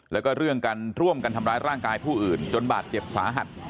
แล้วก็เรื่องการร่วมกันทำร้ายร่างกายผู้อื่นจนบาดเจ็บสาหัส